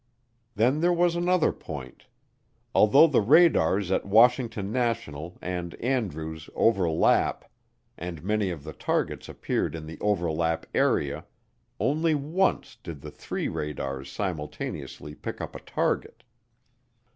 Then there was another point: although the radars at Washington National and Andrews overlap, and many of the targets appeared in the overlap area, only once did the three radars simultaneously pick up a target.